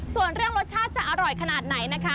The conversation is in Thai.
ส่วนเรื่องรสชาติจะอร่อยขนาดไหนนะคะ